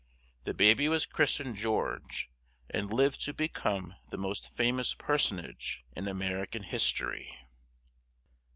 The baby was christened George, and lived to become the most famous personage in American history.